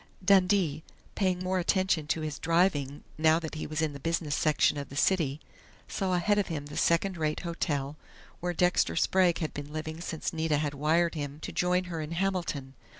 Dundee, paying more attention to his driving, now that he was in the business section of the city, saw ahead of him the second rate hotel where Dexter Sprague had been living since Nita had wired him to join her in Hamilton.